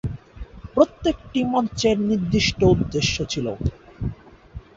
প্রত্যেকটি মঞ্চের নির্দিষ্ট উদ্দেশ্য ছিল।